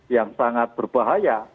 yang sangat berbahaya